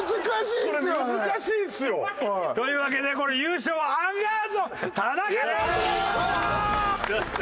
難しいんですよあれ。というわけで優勝はアンガールズの田中さんになりました！